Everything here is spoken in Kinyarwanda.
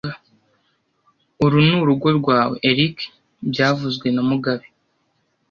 Uru ni urugo rwawe, Eric byavuzwe na mugabe